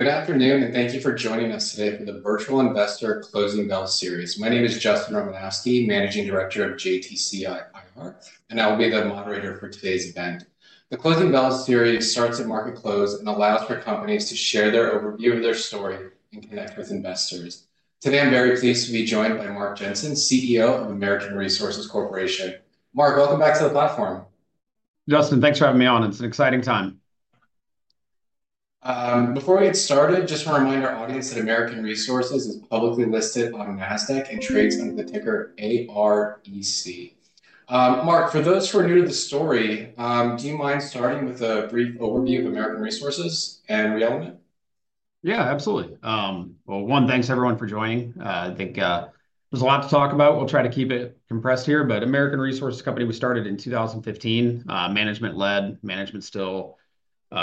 Good afternoon, and thank you for joining us today for the Virtual Investor Closing Bell Series. My name is Justin Romanowski, Managing Director of JTC IR, and I will be the moderator for today's event. The Closing Bell Series starts at market close and allows for companies to share their overview of their story and connect with investors. Today, I'm very pleased to be joined by Mark Jensen, CEO of American Resources Corporation. Mark, welcome back to the platform. Justin, thanks for having me on. It's an exciting time. Before we get started, just a reminder to our audience that American Resources is publicly listed on NASDAQ and trades under the ticker AREC. Mark, for those who are new to the story, do you mind starting with a brief overview of American Resources and ReElement? Yeah, absolutely. One, thanks everyone for joining. I think there's a lot to talk about. We'll try to keep it compressed here. American Resources is a company we started in 2015, management led, management still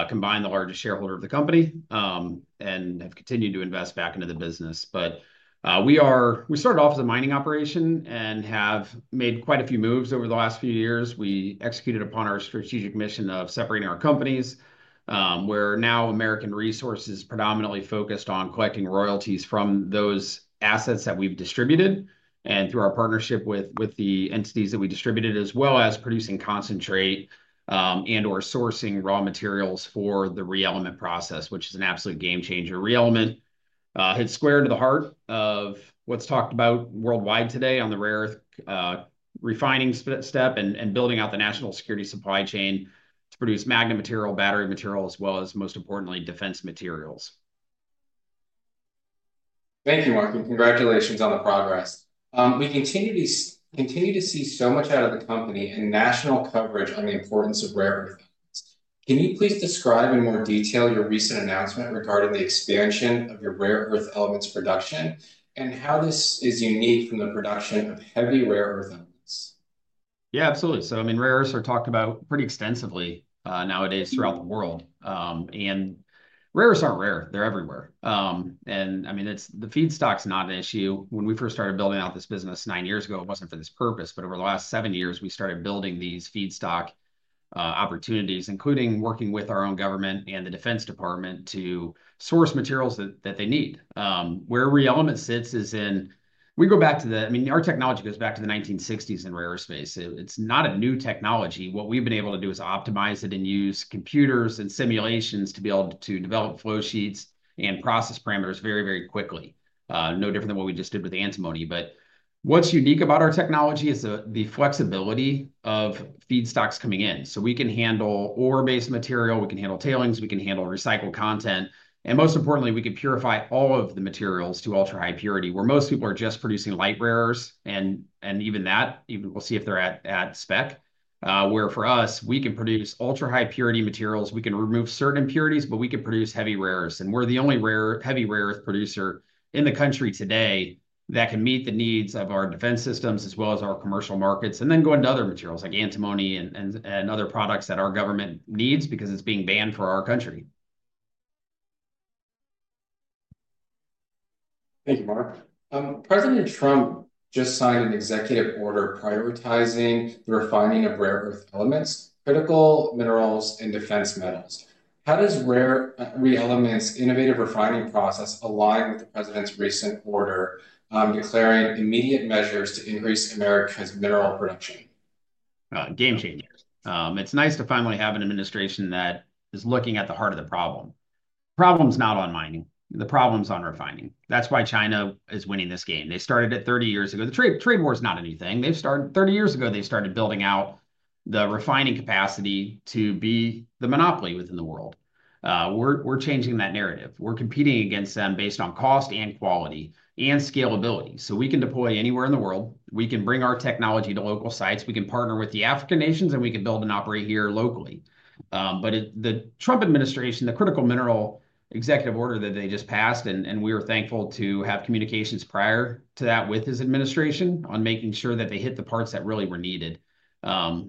combined the largest shareholder of the company, and have continued to invest back into the business. We started off as a mining operation and have made quite a few moves over the last few years. We executed upon our strategic mission of separating our companies. Now American Resources is predominantly focused on collecting royalties from those assets that we've distributed and through our partnership with the entities that we distributed, as well as producing concentrate and/or sourcing raw materials for the ReElement process, which is an absolute game changer. ReElement hit square into the heart of what's talked about worldwide today on the rare earth refining step and building out the national security supply chain to produce magnet material, battery material, as well as, most importantly, defense materials. Thank you, Mark. Congratulations on the progress. We continue to see so much out of the company and national coverage on the importance of rare earth elements. Can you please describe in more detail your recent announcement regarding the expansion of your rare earth elements production and how this is unique from the production of heavy rare earth elements? Yeah, absolutely. I mean, rare earths are talked about pretty extensively nowadays throughout the world. Rare earths aren't rare. They're everywhere. I mean, the feedstock is not an issue. When we first started building out this business nine years ago, it wasn't for this purpose. Over the last seven years, we started building these feedstock opportunities, including working with our own government and the Defense Department to source materials that they need. Where ReElement sits is in we go back to the, I mean, our technology goes back to the 1960s in rare earth space. It's not a new technology. What we've been able to do is optimize it and use computers and simulations to be able to develop flow sheets and process parameters very, very quickly. No different than what we just did with antimony. What's unique about our technology is the flexibility of feedstocks coming in. We can handle ore-based material. We can handle tailings. We can handle recycled content. Most importantly, we can purify all of the materials to ultra-high purity, where most people are just producing light rares. Even that, we'll see if they're at spec. For us, we can produce ultra-high purity materials. We can remove certain impurities, but we can produce heavy rares. We're the only heavy rare earth producer in the country today that can meet the needs of our defense systems as well as our commercial markets, and then go into other materials like antimony and other products that our government needs because it's being banned for our country. Thank you, Mark. President Trump just signed an executive order prioritizing the refining of rare earth elements, critical minerals, and defense metals. How does ReElement's innovative refining process align with the president's recent order declaring immediate measures to increase America's mineral production? Game changers. It's nice to finally have an administration that is looking at the heart of the problem. The problem's not on mining. The problem's on refining. That's why China is winning this game. They started it 30 years ago. The trade war is not a new thing. Thirty years ago, they started building out the refining capacity to be the monopoly within the world. We're changing that narrative. We're competing against them based on cost and quality and scalability. We can deploy anywhere in the world. We can bring our technology to local sites. We can partner with the African nations, and we can build and operate here locally. The Trump administration, the critical mineral executive order that they just passed, and we were thankful to have communications prior to that with his administration on making sure that they hit the parts that really were needed.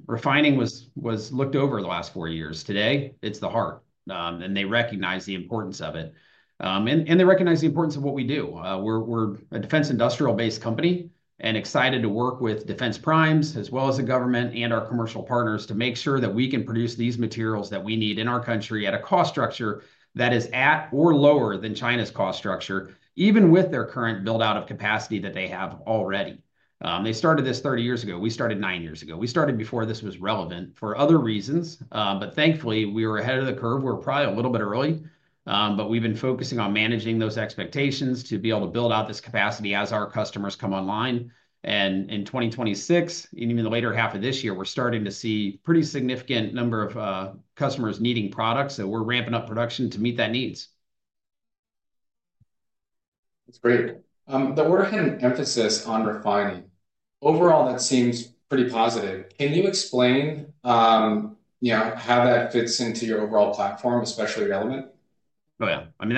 Refining was looked over the last four years. Today, it's the heart. They recognize the importance of it. They recognize the importance of what we do. We're a defense industrial-based company and excited to work with defense primes, as well as the government and our commercial partners, to make sure that we can produce these materials that we need in our country at a cost structure that is at or lower than China's cost structure, even with their current buildout of capacity that they have already. They started this 30 years ago. We started nine years ago. We started before this was relevant for other reasons. Thankfully, we were ahead of the curve. We're probably a little bit early. We've been focusing on managing those expectations to be able to build out this capacity as our customers come online. In 2026, and even the later half of this year, we're starting to see a pretty significant number of customers needing products. So we're ramping up production to meet that needs. That's great. The work and emphasis on refining, overall, that seems pretty positive. Can you explain how that fits into your overall platform, especially ReElement? Oh, yeah. I mean,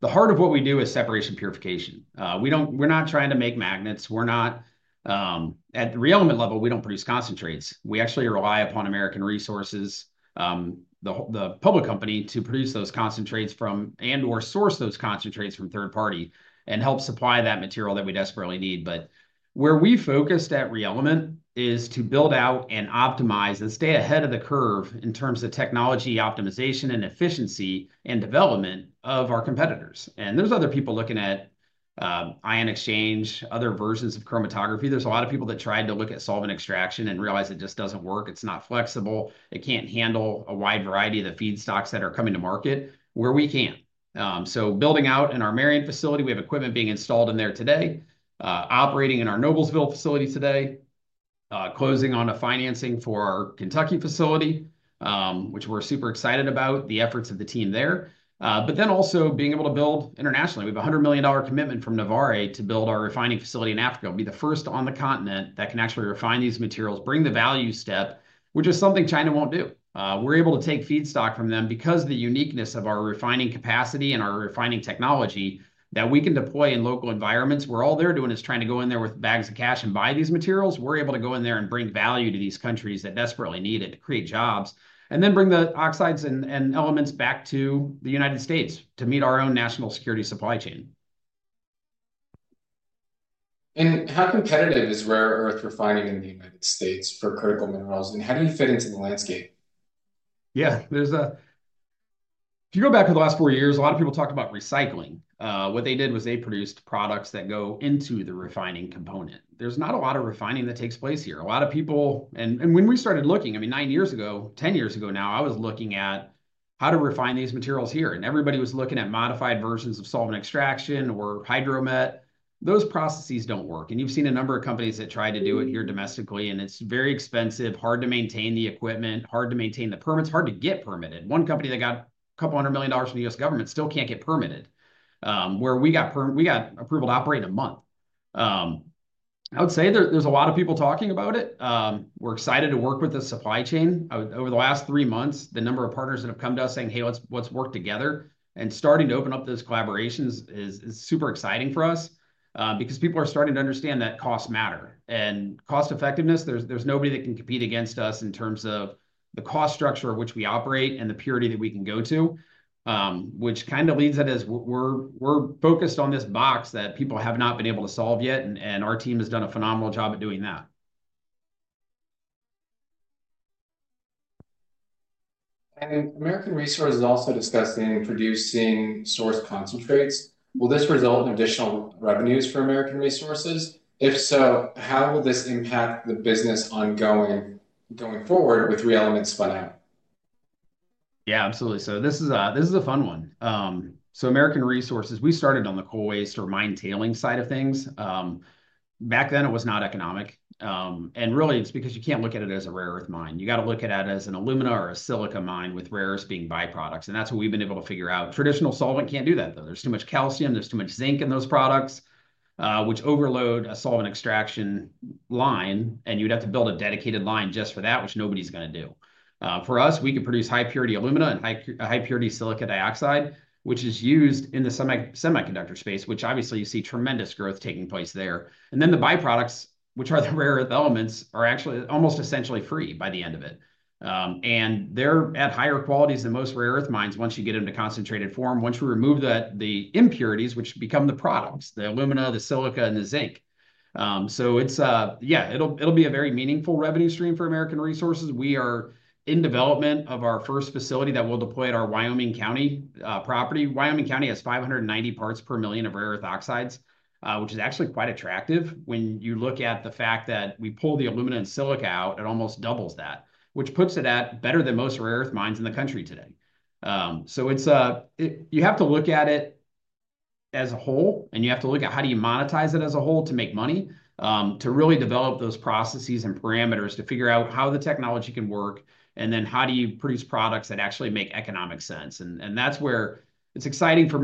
the heart of what we do is separation purification. We're not trying to make magnets. At ReElement level, we don't produce concentrates. We actually rely upon American Resources, the public company, to produce those concentrates and/or source those concentrates from third party and help supply that material that we desperately need. Where we focused at ReElement is to build out and optimize and stay ahead of the curve in terms of technology optimization and efficiency and development of our competitors. There's other people looking at ion exchange, other versions of chromatography. There's a lot of people that tried to look at solvent extraction and realized it just doesn't work. It's not flexible. It can't handle a wide variety of the feedstocks that are coming to market. Where we can. Building out in our Marion facility, we have equipment being installed in there today, operating in our Noblesville facility today, closing on a financing for our Kentucky facility, which we're super excited about the efforts of the team there. Also being able to build internationally. We have a $100 million commitment from Novare to build our refining facility in Africa. We'll be the first on the continent that can actually refine these materials, bring the value step, which is something China won't do. We're able to take feedstock from them because of the uniqueness of our refining capacity and our refining technology that we can deploy in local environments. Where all they're doing is trying to go in there with bags of cash and buy these materials, we're able to go in there and bring value to these countries that desperately need it to create jobs and then bring the oxides and elements back to the United States to meet our own national security supply chain. How competitive is rare earth refining in the United States for critical minerals? How do you fit into the landscape? Yeah. If you go back to the last four years, a lot of people talked about recycling. What they did was they produced products that go into the refining component. There's not a lot of refining that takes place here. A lot of people, and when we started looking, I mean, nine years ago, 10 years ago now, I was looking at how to refine these materials here. Everybody was looking at modified versions of solvent extraction or hydromet. Those processes don't work. You've seen a number of companies that tried to do it here domestically. It's very expensive, hard to maintain the equipment, hard to maintain the permits, hard to get permitted. One company that got a couple hundred million dollars from the U.S. government still can't get permitted, where we got approval to operate in a month. I would say there's a lot of people talking about it. We're excited to work with the supply chain. Over the last three months, the number of partners that have come to us saying, "Hey, let's work together," and starting to open up those collaborations is super exciting for us because people are starting to understand that costs matter. Cost effectiveness, there's nobody that can compete against us in terms of the cost structure of which we operate and the purity that we can go to, which kind of leads at is we're focused on this box that people have not been able to solve yet. Our team has done a phenomenal job at doing that. American Resources is also discussing producing source concentrates. Will this result in additional revenues for American Resources? If so, how will this impact the business ongoing going forward with ReElement spun out? Yeah, absolutely. This is a fun one. American Resources, we started on the coal waste or mine tailing side of things. Back then, it was not economic. Really, it's because you can't look at it as a rare earth mine. You got to look at it as an alumina or a silica mine with rares being byproducts. That's what we've been able to figure out. Traditional solvent can't do that, though. There's too much calcium. There's too much zinc in those products, which overload a solvent extraction line. You'd have to build a dedicated line just for that, which nobody's going to do. For us, we can produce high purity alumina and high purity silica dioxide, which is used in the semiconductor space, which obviously you see tremendous growth taking place there. The byproducts, which are the rare earth elements, are actually almost essentially free by the end of it. They are at higher qualities than most rare earth mines once you get into concentrated form, once we remove the impurities, which become the products, the alumina, the silica, and the zinc. Yeah, it will be a very meaningful revenue stream for American Resources. We are in development of our first facility that will deploy at our Wyoming County property. Wyoming County has 590 parts per million of rare earth oxides, which is actually quite attractive when you look at the fact that we pull the alumina and silica out. It almost doubles that, which puts it at better than most rare earth mines in the country today. You have to look at it as a whole, and you have to look at how do you monetize it as a whole to make money, to really develop those processes and parameters to figure out how the technology can work, and then how do you produce products that actually make economic sense. That is where it is exciting for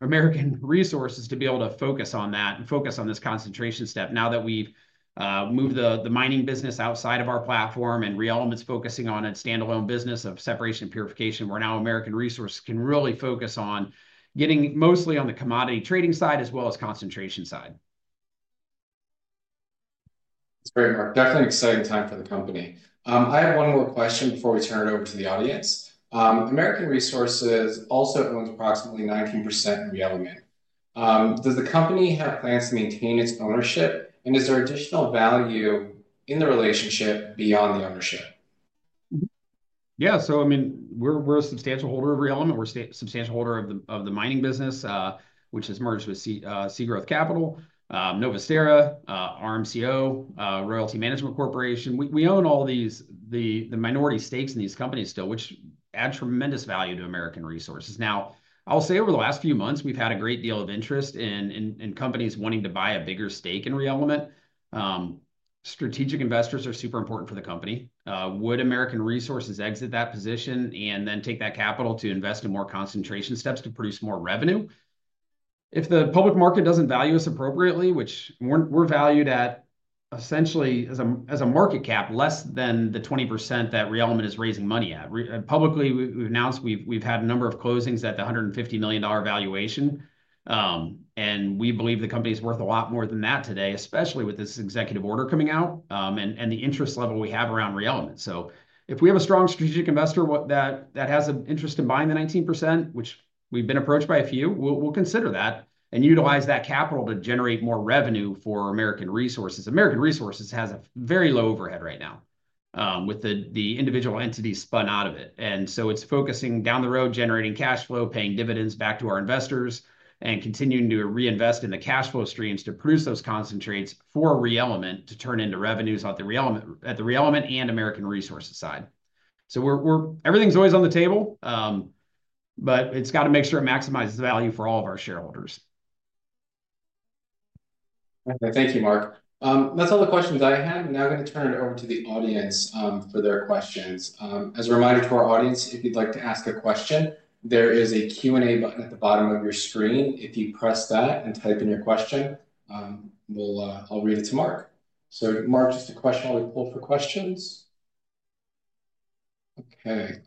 American Resources to be able to focus on that and focus on this concentration step now that we have moved the mining business outside of our platform and ReElement is focusing on its standalone business of separation purification. Now American Resources can really focus on getting mostly on the commodity trading side as well as concentration side. That's great, Mark. Definitely an exciting time for the company. I have one more question before we turn it over to the audience. American Resources also owns approximately 19% of ReElement. Does the company have plans to maintain its ownership? Is there additional value in the relationship beyond the ownership? Yeah. I mean, we're a substantial holder of ReElement. We're a substantial holder of the mining business, which has merged with SeaGrowth Capital, Novusterra, RMCO, Royalty Management Corporation. We own all the minority stakes in these companies still, which add tremendous value to American Resources. Now, I'll say over the last few months, we've had a great deal of interest in companies wanting to buy a bigger stake in ReElement. Strategic investors are super important for the company. Would American Resources exit that position and then take that capital to invest in more concentration steps to produce more revenue? If the public market doesn't value us appropriately, which we're valued at essentially as a market cap less than the 20% that ReElement is raising money at. Publicly, we've announced we've had a number of closings at the $150 million valuation. We believe the company is worth a lot more than that today, especially with this Executive Order coming out and the interest level we have around ReElement. If we have a strong strategic investor that has an interest in buying the 19%, which we've been approached by a few, we'll consider that and utilize that capital to generate more revenue for American Resources. American Resources has a very low overhead right now with the individual entities spun out of it. It is focusing down the road, generating cash flow, paying dividends back to our investors, and continuing to reinvest in the cash flow streams to produce those concentrates for ReElement to turn into revenues at the ReElement and American Resources side. Everything's always on the table, but it's got to make sure it maximizes the value for all of our shareholders. Thank you, Mark. That's all the questions I had. I'm now going to turn it over to the audience for their questions. As a reminder to our audience, if you'd like to ask a question, there is a Q&A button at the bottom of your screen. If you press that and type in your question, I'll read it to Mark. Mark, just a question while we pull for questions. Okay.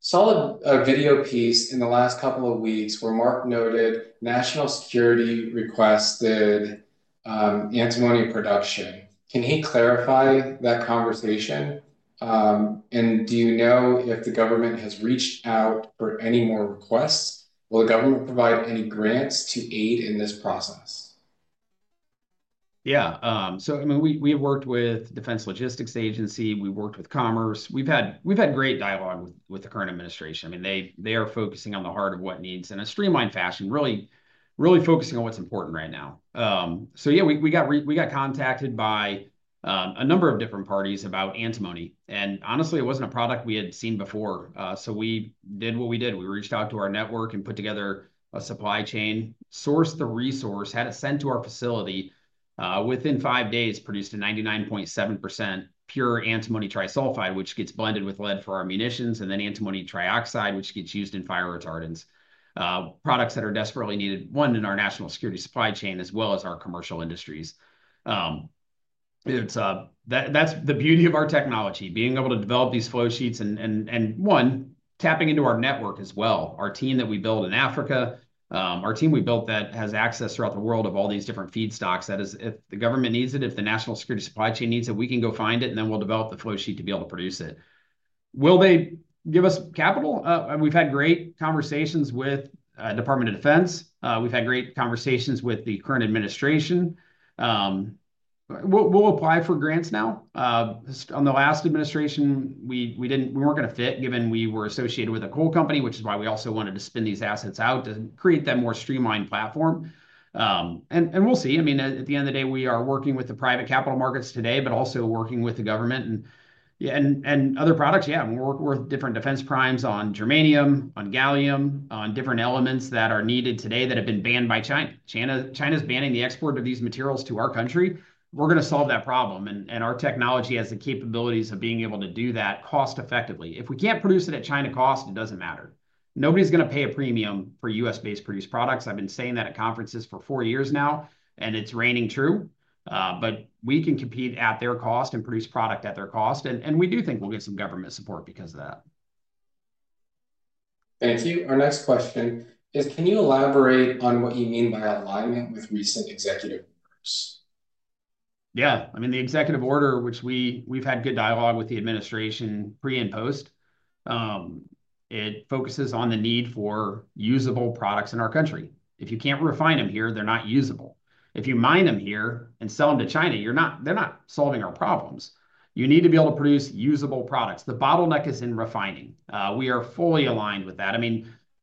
Solid video piece in the last couple of weeks where Mark noted national security requested antimony production. Can he clarify that conversation? Do you know if the government has reached out for any more requests? Will the government provide any grants to aid in this process? Yeah. I mean, we've worked with Defense Logistics Agency. We've worked with Commerce. We've had great dialogue with the current administration. I mean, they are focusing on the heart of what needs in a streamlined fashion, really focusing on what's important right now. Yeah, we got contacted by a number of different parties about antimony. Honestly, it wasn't a product we had seen before. We did what we did. We reached out to our network and put together a supply chain, sourced the resource, had it sent to our facility. Within five days, produced a 99.7% pure antimony trisulfide, which gets blended with lead for our munitions, and then antimony trioxide, which gets used in fire retardants. Products that are desperately needed, one, in our national security supply chain, as well as our commercial industries. That's the beauty of our technology, being able to develop these flow sheets and, one, tapping into our network as well. Our team that we built in Africa, our team we built that has access throughout the world of all these different feedstocks, that is, if the government needs it, if the national security supply chain needs it, we can go find it, and then we'll develop the flow sheet to be able to produce it. Will they give us capital? We've had great conversations with the Department of Defense. We've had great conversations with the current administration. We'll apply for grants now. In the last administration, we weren't going to fit given we were associated with a coal company, which is why we also wanted to spin these assets out to create that more streamlined platform. We'll see. I mean, at the end of the day, we are working with the private capital markets today, but also working with the government and other products. Yeah, we're working with different defense primes on germanium, on gallium, on different elements that are needed today that have been banned by China. China's banning the export of these materials to our country. We're going to solve that problem. And our technology has the capabilities of being able to do that cost-effectively. If we can't produce it at China cost, it doesn't matter. Nobody's going to pay a premium for U.S.-based products. I've been saying that at conferences for four years now, and it's raining true. We can compete at their cost and produce product at their cost. We do think we'll get some government support because of that. Thank you. Our next question is, can you elaborate on what you mean by alignment with recent executive orders? Yeah. I mean, the executive order, which we've had good dialogue with the administration pre and post, it focuses on the need for usable products in our country. If you can't refine them here, they're not usable. If you mine them here and sell them to China, they're not solving our problems. You need to be able to produce usable products. The bottleneck is in refining. We are fully aligned with that. I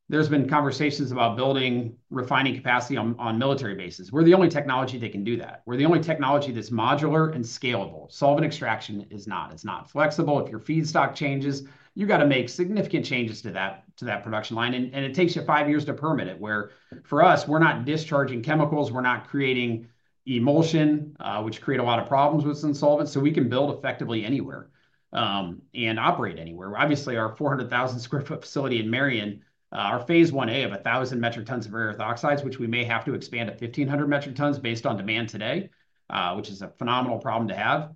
mean, there's been conversations about building refining capacity on military bases. We're the only technology that can do that. We're the only technology that's modular and scalable. Solvent extraction is not. It's not flexible. If your feedstock changes, you've got to make significant changes to that production line. It takes you five years to permit it, where for us, we're not discharging chemicals. We're not creating emulsion, which create a lot of problems with some solvents. We can build effectively anywhere and operate anywhere. Obviously, our 400,000 sq ft facility in Marion, our phase 1A of 1,000 metric tons of rare earth oxides, which we may have to expand to 1,500 metric tons based on demand today, which is a phenomenal problem to have,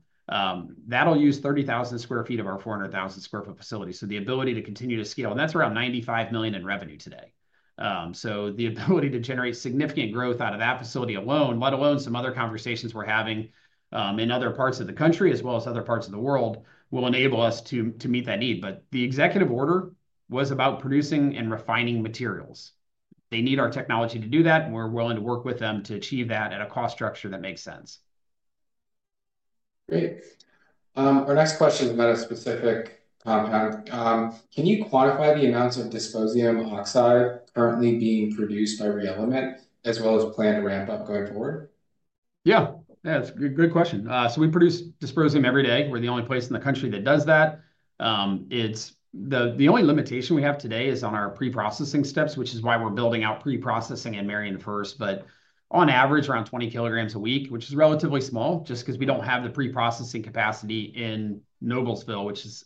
that'll use 30,000 sq ft of our 400,000 sq ft facility. The ability to continue to scale. That is around $95 million in revenue today. The ability to generate significant growth out of that facility alone, let alone some other conversations we're having in other parts of the country as well as other parts of the world, will enable us to meet that need. The executive order was about producing and refining materials. They need our technology to do that. We're willing to work with them to achieve that at a cost structure that makes sense. Great. Our next question is about a specific compound. Can you quantify the amounts of dysprosium oxide currently being produced by ReElement as well as plan to ramp up going forward? Yeah. Yeah, it's a good question. We produce dysprosium every day. We're the only place in the country that does that. The only limitation we have today is on our pre-processing steps, which is why we're building out pre-processing in Marion first. On average, around 20 kilograms a week, which is relatively small just because we don't have the pre-processing capacity in Noblesville, which is,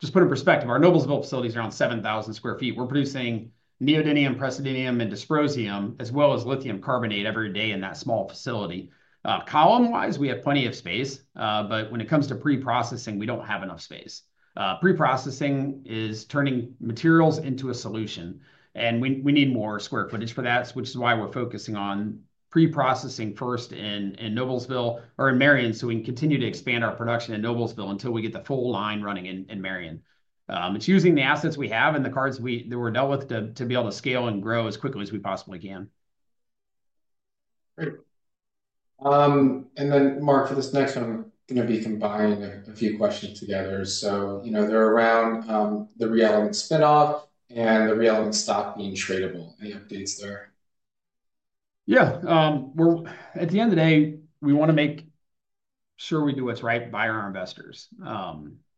just to put in perspective, our Noblesville facility is around 7,000 sq ft. We're producing neodymium-praseodymium, and dysprosium as well as lithium carbonate every day in that small facility. Column-wise, we have plenty of space. When it comes to pre-processing, we don't have enough space. Pre-processing is turning materials into a solution. We need more square footage for that, which is why we're focusing on pre-processing first in Noblesville or in Marion so we can continue to expand our production in Noblesville until we get the full line running in Marion. It's using the assets we have and the cards that we're dealt with to be able to scale and grow as quickly as we possibly can. Great. Mark, for this next one, I'm going to be combining a few questions together. They're around the ReElement spinoff and the ReElement stock being tradable. Any updates there? Yeah. At the end of the day, we want to make sure we do what's right by our investors.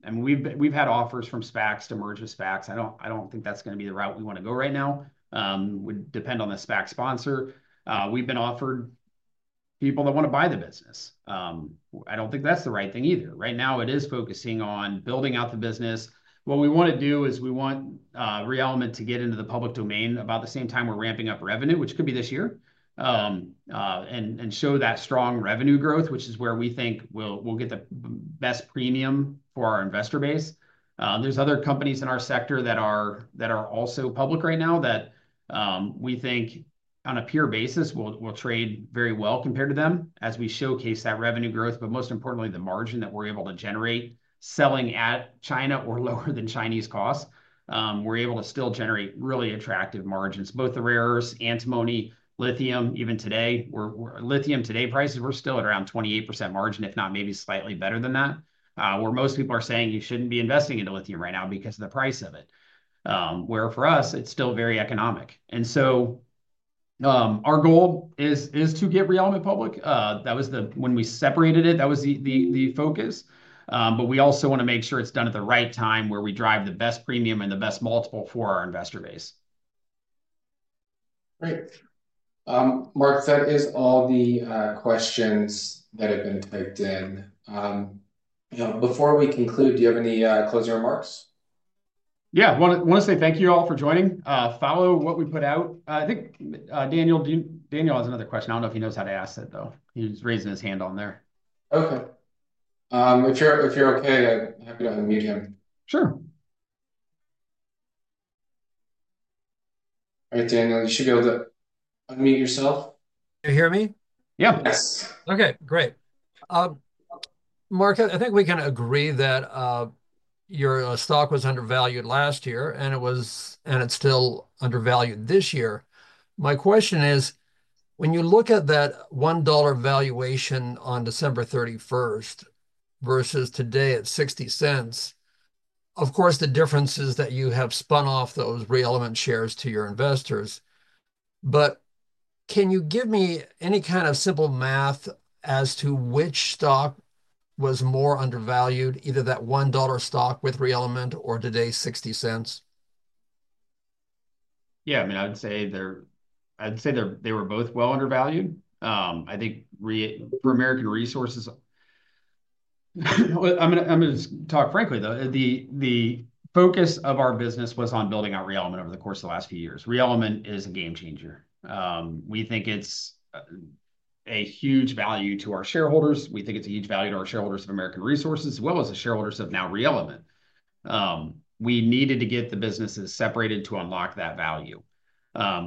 We've had offers from SPACs to merge with SPACs. I don't think that's going to be the route we want to go right now. It would depend on the SPAC sponsor. We've been offered people that want to buy the business. I don't think that's the right thing either. Right now, it is focusing on building out the business. What we want to do is we want ReElement to get into the public domain about the same time we're ramping up revenue, which could be this year, and show that strong revenue growth, which is where we think we'll get the best premium for our investor base. are other companies in our sector that are also public right now that we think on a peer basis will trade very well compared to them as we showcase that revenue growth. Most importantly, the margin that we are able to generate selling at China or lower than Chinese costs, we are able to still generate really attractive margins, both the rares, antimony, lithium. Even today, lithium today prices, we are still at around 28% margin, if not maybe slightly better than that, where most people are saying you should not be investing into lithium right now because of the price of it. For us, it is still very economic. Our goal is to get ReElement public. That was when we separated it. That was the focus. We also want to make sure it's done at the right time where we drive the best premium and the best multiple for our investor base. Great. Mark, that is all the questions that have been typed in. Before we conclude, do you have any closing remarks? Yeah. I want to say thank you all for joining. Follow what we put out. I think Daniel has another question. I do not know if he knows how to ask it, though. He was raising his hand on there. Okay. If you're okay, I'm happy to unmute him. Sure. All right, Daniel, you should be able to unmute yourself. Can you hear me? Yes. Okay. Great. Mark, I think we can agree that your stock was undervalued last year, and it's still undervalued this year. My question is, when you look at that $1 valuation on December 31st versus today at $0.60, of course, the difference is that you have spun off those ReElement shares to your investors. Can you give me any kind of simple math as to which stock was more undervalued, either that $1 stock with ReElement or today's $0.60? Yeah. I mean, I'd say they were both well undervalued. I think for American Resources, I'm going to talk frankly, though. The focus of our business was on building out ReElement over the course of the last few years. ReElement is a game changer. We think it's a huge value to our shareholders. We think it's a huge value to our shareholders of American Resources as well as the shareholders of now ReElement. We needed to get the businesses separated to unlock that value.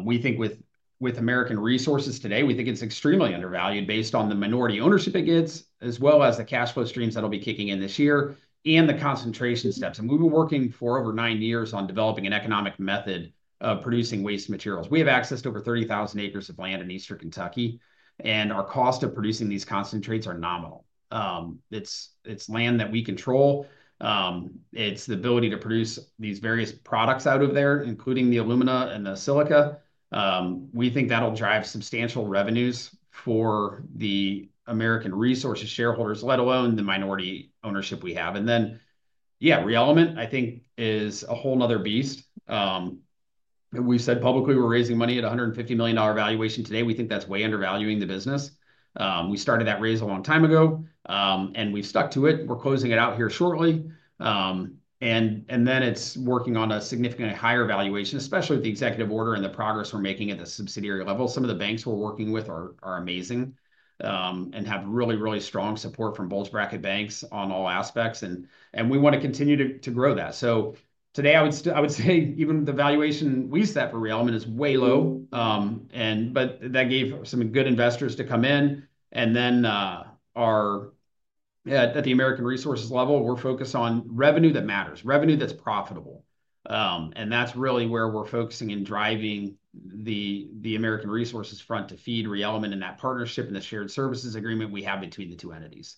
We think with American Resources today, we think it's extremely undervalued based on the minority ownership it gets as well as the cash flow streams that'll be kicking in this year and the concentration steps. We've been working for over nine years on developing an economic method of producing waste materials. We have access to over 30,000 acres of land in Eastern Kentucky. Our cost of producing these concentrates are nominal. It's land that we control. It's the ability to produce these various products out of there, including the alumina and the silica. We think that'll drive substantial revenues for the American Resources shareholders, let alone the minority ownership we have. ReElement, I think, is a whole nother beast. We've said publicly we're raising money at a $150 million valuation today. We think that's way undervaluing the business. We started that raise a long time ago, and we've stuck to it. We're closing it out here shortly. It's working on a significantly higher valuation, especially with the executive order and the progress we're making at the subsidiary level. Some of the banks we're working with are amazing and have really, really strong support from Bulge Bracket banks on all aspects. We want to continue to grow that. Today, I would say even the valuation we set for ReElement is way low. That gave some good investors to come in. At the American Resources level, we're focused on revenue that matters, revenue that's profitable. That's really where we're focusing in driving the American Resources front to feed ReElement and that partnership and the shared services agreement we have between the two entities.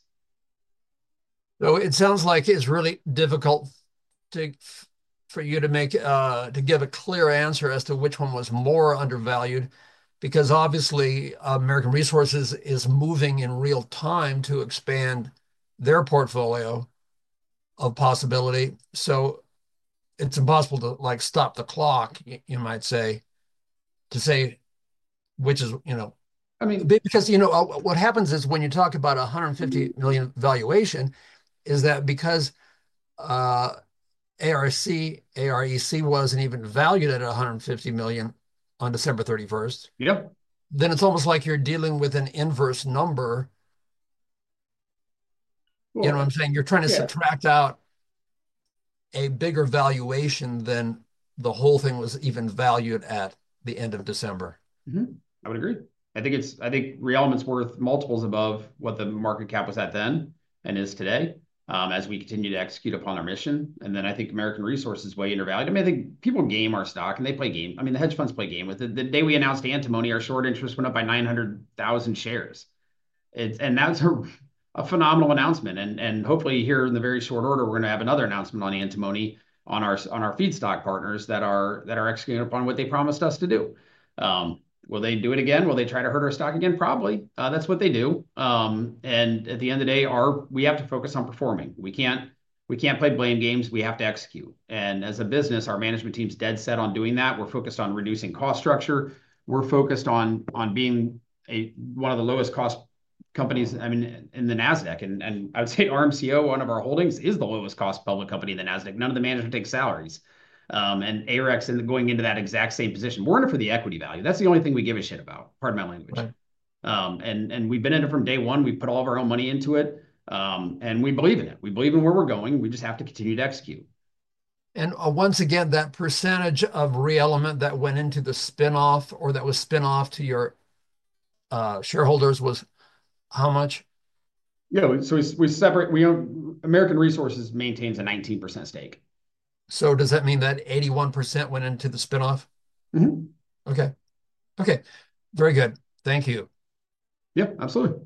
It sounds like it's really difficult for you to give a clear answer as to which one was more undervalued because obviously, American Resources is moving in real time to expand their portfolio of possibility. It's impossible to stop the clock, you might say, to say which is. I mean. Because what happens is when you talk about a $150 million valuation, is that because American Resources, AREC wasn't even valued at $150 million on December 31st, then it's almost like you're dealing with an inverse number. You know what I'm saying? You're trying to subtract out a bigger valuation than the whole thing was even valued at the end of December. I would agree. I think ReElement's worth multiples above what the market cap was at then and is today as we continue to execute upon our mission. I think American Resources is way undervalued. I mean, I think people game our stock, and they play game. I mean, the hedge funds play game with it. The day we announced antimony, our short interest went up by 900,000 shares. That's a phenomenal announcement. Hopefully, here in the very short order, we're going to have another announcement on antimony on our feedstock partners that are executing upon what they promised us to do. Will they do it again? Will they try to hurt our stock again? Probably. That's what they do. At the end of the day, we have to focus on performing. We can't play blame games. We have to execute. As a business, our management team's dead set on doing that. We're focused on reducing cost structure. We're focused on being one of the lowest-cost companies, I mean, in the Nasdaq. I would say RMCO, one of our holdings, is the lowest-cost public company in the Nasdaq. None of the management takes salaries. AREC is going into that exact same position. We're in it for the equity value. That's the only thing we give a shit about. Pardon my language. We've been in it from day one. We've put all of our own money into it. We believe in it. We believe in where we're going. We just have to continue to execute. Once again, that percentage of ReElement that went into the spinoff or that was spinoff to your shareholders was how much? Yeah. American Resources maintains a 19% stake. Does that mean that 81% went into the spinoff? Mm-hmm. Okay. Okay. Very good. Thank you. Yep. Absolutely.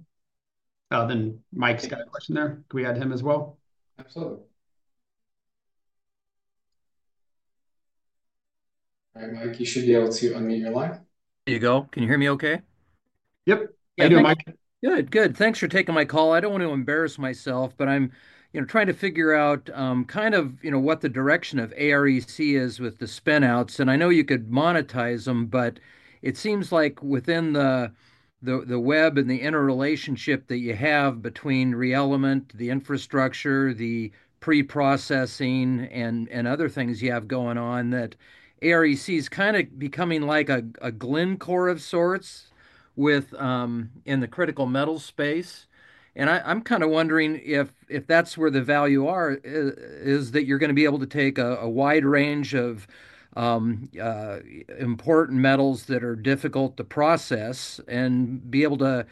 Mike's got a question there. Can we add him as well? Absolutely. All right, Mike, you should be able to unmute your line. There you go. Can you hear me okay? Yep. I do, Mike. Good. Good. Thanks for taking my call. I don't want to embarrass myself, but I'm trying to figure out kind of what the direction of AREC is with the spinouts. I know you could monetize them, but it seems like within the web and the interrelationship that you have between ReElement, the infrastructure, the pre-processing, and other things you have going on, that AREC is kind of becoming like a Glencore of sorts in the critical metal space. I'm kind of wondering if that's where the value are, is that you're going to be able to take a wide range of important metals that are difficult to process and be able to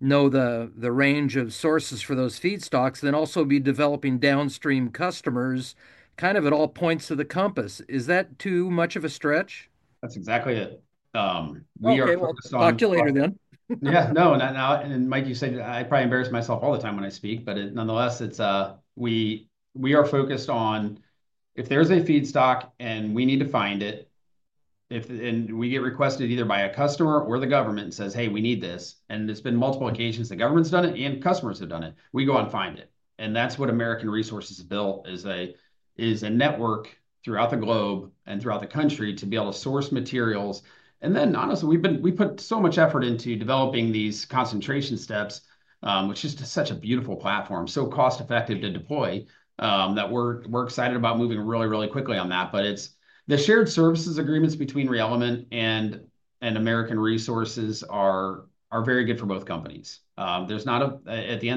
know the range of sources for those feedstocks, then also be developing downstream customers kind of at all points of the compass. Is that too much of a stretch? That's exactly it. We are focused on. Okay. Talk to you later then. Yeah. No. Mike, you said I probably embarrass myself all the time when I speak, but nonetheless, we are focused on if there's a feedstock and we need to find it, and we get requested either by a customer or the government and says, "Hey, we need this." There have been multiple occasions the government's done it and customers have done it. We go and find it. That's what American Resources has built is a network throughout the globe and throughout the country to be able to source materials. Honestly, we put so much effort into developing these concentration steps, which is just such a beautiful platform, so cost-effective to deploy that we're excited about moving really, really quickly on that. The shared services agreements between ReElement and American Resources are very good for both companies. At the end of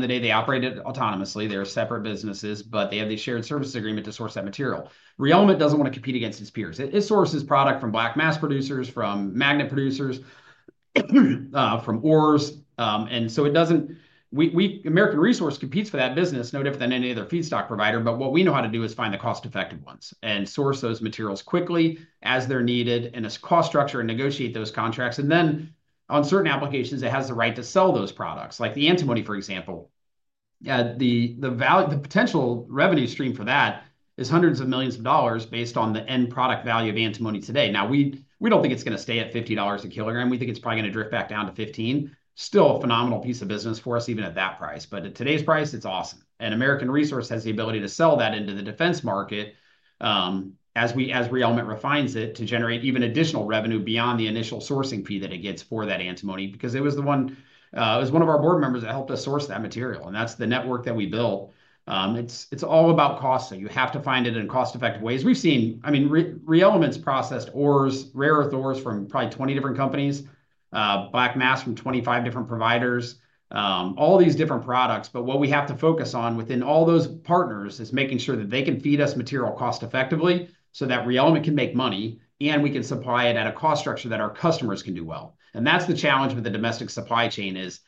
the day, they operate autonomously. They're separate businesses, but they have the shared services agreement to source that material. ReElement doesn't want to compete against its peers. It sources product from black mass producers, from magnet producers, from ores. American Resources competes for that business no different than any other feedstock provider. What we know how to do is find the cost-effective ones and source those materials quickly as they're needed and as cost structure and negotiate those contracts. On certain applications, it has the right to sell those products. Like the antimony, for example, the potential revenue stream for that is hundreds of millions of dollars based on the end product value of antimony today. Now, we don't think it's going to stay at $50 a kilogram. We think it's probably going to drift back down to $15. Still a phenomenal piece of business for us even at that price. At today's price, it's awesome. American Resources has the ability to sell that into the defense market as ReElement refines it to generate even additional revenue beyond the initial sourcing fee that it gets for that antimony because it was one of our board members that helped us source that material. That's the network that we built. It's all about cost. You have to find it in cost-effective ways. I mean, ReElement's processed ores, rare earth ores from probably 20 different companies, black mass from 25 different providers, all these different products. What we have to focus on within all those partners is making sure that they can feed us material cost-effectively so that ReElement can make money and we can supply it at a cost structure that our customers can do well. That's the challenge with the domestic supply chain is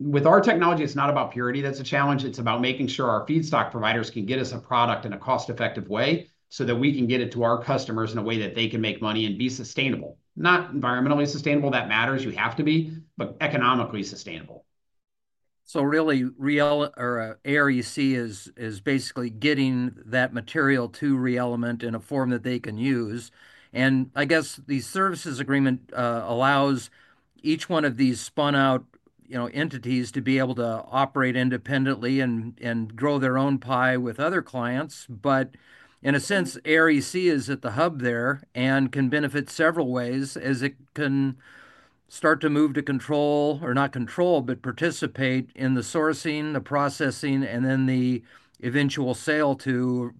with our technology, it's not about purity. That's a challenge. It's about making sure our feedstock providers can get us a product in a cost-effective way so that we can get it to our customers in a way that they can make money and be sustainable. Not environmentally sustainable. That matters. You have to be, but economically sustainable. AREC is basically getting that material to ReElement in a form that they can use. I guess the services agreement allows each one of these spun-out entities to be able to operate independently and grow their own pie with other clients. In a sense, AREC is at the hub there and can benefit several ways as it can start to move to control or not control, but participate in the sourcing, the processing, and then the eventual sale to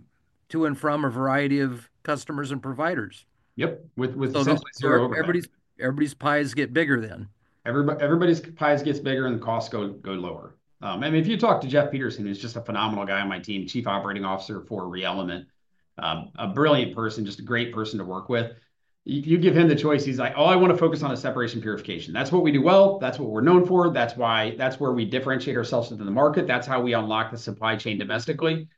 and from a variety of customers and providers. Yep. With. Everybody's pies get bigger then. Everybody's pies get bigger and the costs go lower. I mean, if you talk to Jeff Peterson, who's just a phenomenal guy on my team, Chief Operating Officer for ReElement, a brilliant person, just a great person to work with, you give him the choice. He's like, "Oh, I want to focus on the separation purification. That's what we do well. That's what we're known for. That's where we differentiate ourselves into the market. That's how we unlock the supply chain domestically."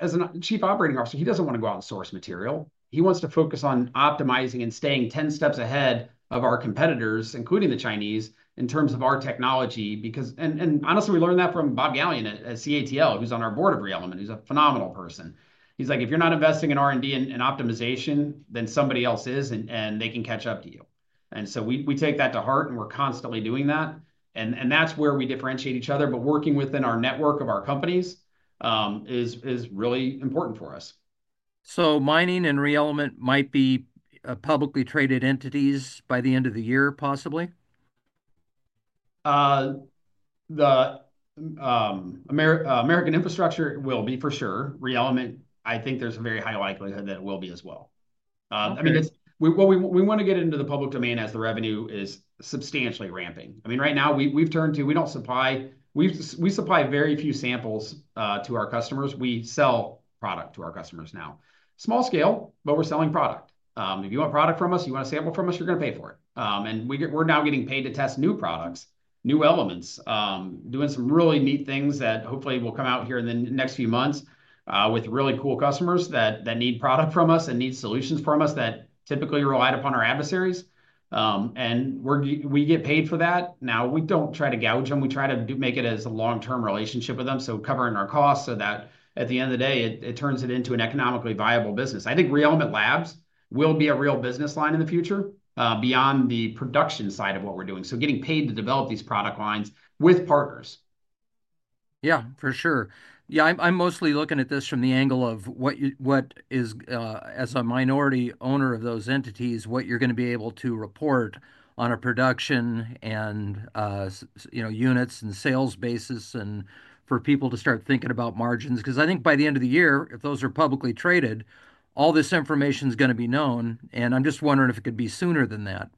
As a Chief Operating Officer, he doesn't want to go out and source material. He wants to focus on optimizing and staying 10 steps ahead of our competitors, including the Chinese, in terms of our technology. Honestly, we learned that from Bob Galyen at CATL, who's on our board of ReElement, who's a phenomenal person. He's like, "If you're not investing in R&D and optimization, then somebody else is, and they can catch up to you." We take that to heart, and we're constantly doing that. That's where we differentiate each other. Working within our network of our companies is really important for us. Mining and ReElement might be publicly traded entities by the end of the year, possibly? American Infrastructure will be for sure. ReElement, I think there's a very high likelihood that it will be as well. I mean, we want to get into the public domain as the revenue is substantially ramping. I mean, right now, we've turned to we supply very few samples to our customers. We sell product to our customers now. Small scale, but we're selling product. If you want product from us, you want a sample from us, you're going to pay for it. We are now getting paid to test new products, new elements, doing some really neat things that hopefully will come out here in the next few months with really cool customers that need product from us and need solutions from us that typically rely upon our adversaries. We get paid for that. Now, we don't try to gouge them. We try to make it as a long-term relationship with them, so covering our costs so that at the end of the day, it turns it into an economically viable business. I think ReElement Labs will be a real business line in the future beyond the production side of what we're doing. Getting paid to develop these product lines with partners. Yeah, for sure. Yeah. I'm mostly looking at this from the angle of what is, as a minority owner of those entities, what you're going to be able to report on a production and units and sales basis for people to start thinking about margins. Because I think by the end of the year, if those are publicly traded, all this information is going to be known. I'm just wondering if it could be sooner than that.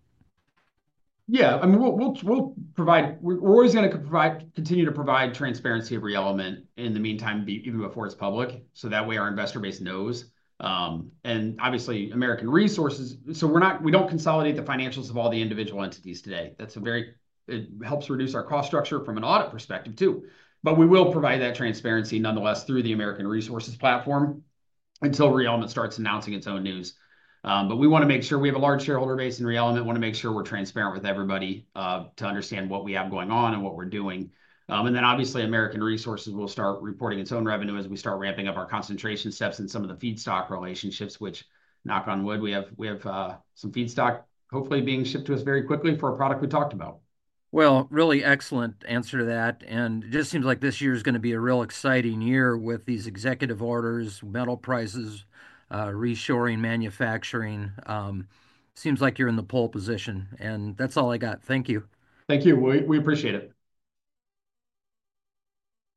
Yeah. I mean, we're always going to continue to provide transparency of ReElement in the meantime, even before it's public, so that way our investor base knows. Obviously, American Resources, we don't consolidate the financials of all the individual entities today. It helps reduce our cost structure from an audit perspective too. We will provide that transparency nonetheless through the American Resources platform until ReElement starts announcing its own news. We want to make sure we have a large shareholder base in ReElement. We want to make sure we're transparent with everybody to understand what we have going on and what we're doing. American Resources will start reporting its own revenue as we start ramping up our concentration steps and some of the feedstock relationships, which, knock on wood, we have some feedstock hopefully being shipped to us very quickly for a product we talked about. Really excellent answer to that. It just seems like this year is going to be a real exciting year with these executive orders, metal prices, reshoring, manufacturing. Seems like you're in the pole position. That's all I got. Thank you. Thank you. We appreciate it.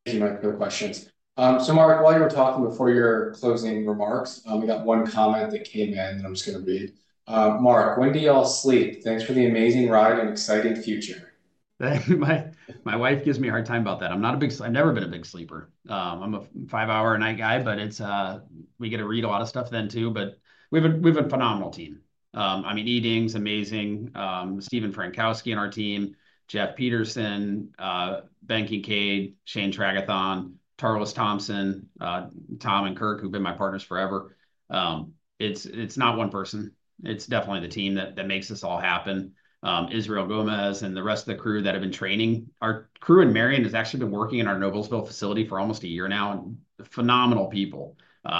Thank you, Mike. No questions. Mark, while you were talking before your closing remarks, we got one comment that came in that I'm just going to read. Mark, when do y'all sleep? Thanks for the amazing ride and exciting future. My wife gives me a hard time about that. I've never been a big sleeper. I'm a five-hour-night guy, but we get to read a lot of stuff then too. We have a phenomenal team. I mean, the Team's amazing. Stephen Frankowski on our team, Jeff Peterson, Ben Kincaid, Shane Tragethon, Tarlis Thompson, Tom and Kirk, who've been my partners forever. It's not one person. It's definitely the team that makes this all happen. Israel Gomez and the rest of the crew that have been training. Our crew in Marion has actually been working in our Noblesville facility for almost a year now. Phenomenal people.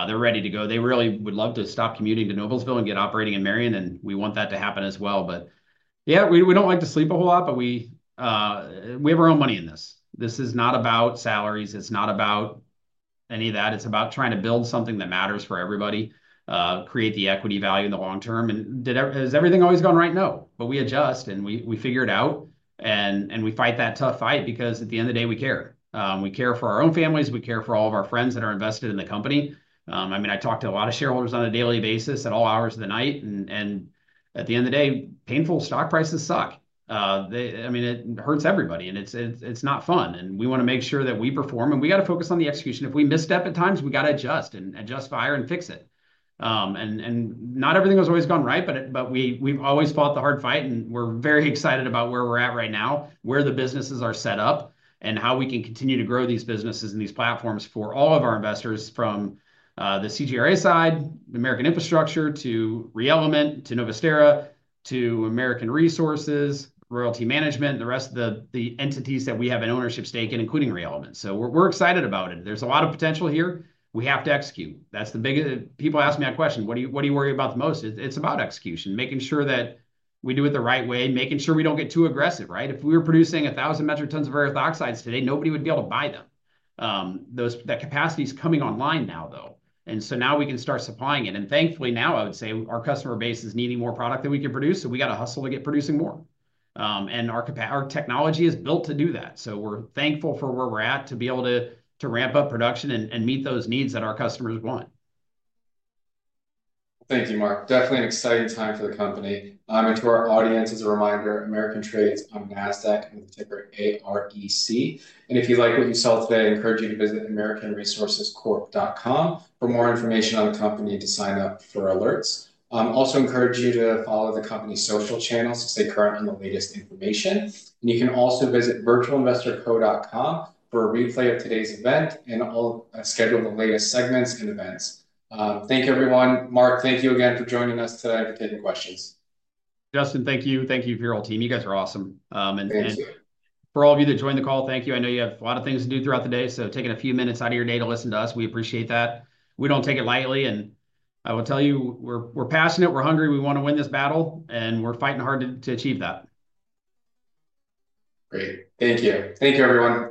They're ready to go. They really would love to stop commuting to Noblesville and get operating in Marion. We want that to happen as well. Yeah, we don't like to sleep a whole lot, but we have our own money in this. This is not about salaries. It's not about any of that. It's about trying to build something that matters for everybody, create the equity value in the long term. Has everything always gone right? No. We adjust, and we figure it out. We fight that tough fight because at the end of the day, we care. We care for our own families. We care for all of our friends that are invested in the company. I mean, I talk to a lot of shareholders on a daily basis at all hours of the night. At the end of the day, painful stock prices suck. I mean, it hurts everybody, and it's not fun. We want to make sure that we perform. We got to focus on the execution. If we misstep at times, we got to adjust and adjust fire and fix it. Not everything has always gone right, but we've always fought the hard fight. We're very excited about where we're at right now, where the businesses are set up, and how we can continue to grow these businesses and these platforms for all of our investors from the CGRA side, American Infrastructure, to ReElement, to Novusterra, to American Resources, Royalty Management, the rest of the entities that we have an ownership stake in, including ReElement. We're excited about it. There's a lot of potential here. We have to execute. People ask me that question. What do you worry about the most? It's about execution, making sure that we do it the right way, making sure we don't get too aggressive. Right? If we were producing 1,000 metric tons of earth oxides today, nobody would be able to buy them. That capacity is coming online now, though. Now we can start supplying it. Thankfully, I would say our customer base is needing more product than we can produce. We have to hustle to get producing more. Our technology is built to do that. We are thankful for where we are at to be able to ramp up production and meet those needs that our customers want. Thank you, Mark. Definitely an exciting time for the company. To our audience, as a reminder, American Resources is on NASDAQ with the ticker AREC. If you like what you saw today, I encourage you to visit americanresourcescorp.com for more information on the company and to sign up for alerts. I also encourage you to follow the company's social channels to stay current on the latest information. You can also visit virtualinvestorco.com for a replay of today's event and schedule the latest segments and events. Thank you, everyone. Mark, thank you again for joining us today and for taking questions. Justin, thank you. Thank you for your whole team. You guys are awesome. Thank you. For all of you that joined the call, thank you. I know you have a lot of things to do throughout the day, so taking a few minutes out of your day to listen to us, we appreciate that. We do not take it lightly. I will tell you, we are passionate. We are hungry. We want to win this battle. We are fighting hard to achieve that. Great. Thank you. Thank you, everyone.